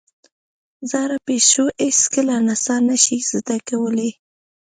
زاړه پيشو هېڅکله نڅا نه شي زده کولای.